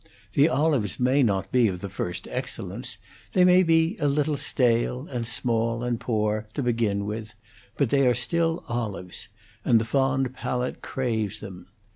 The olives may not be of the first excellence; they may be a little stale, and small and poor, to begin with, but they are still olives, and the fond palate craves them.